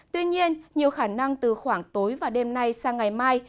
tuy nhiên nhiều khả năng từ khoảng tối và đêm nay sang ngày mai